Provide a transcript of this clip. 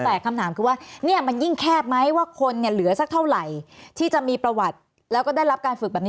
แต่คำถามคือว่าเนี่ยมันยิ่งแคบไหมว่าคนเนี่ยเหลือสักเท่าไหร่ที่จะมีประวัติแล้วก็ได้รับการฝึกแบบนี้